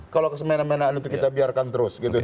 kalau kesemenamenakan itu kita biarkan terus